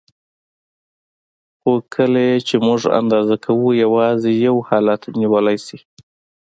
خو کله یې چې موږ اندازه کوو یوازې یو حالت نیولی شي.